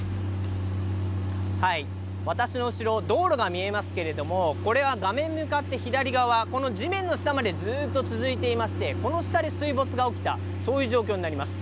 私の後ろ、道路が見えますけれども、これは画面向かって左側、この地面の下まで、ずっと続いていまして、この下に水没が起きた、そういう状況になります。